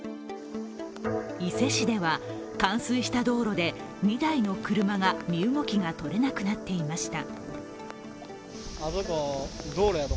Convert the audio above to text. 伊勢市では、冠水した道路で２台の車が身動きが取れなくなっていました。